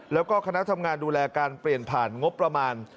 แล้วก็คณะทำงานดูแลการเปลี่ยนผ่านงบประมาณ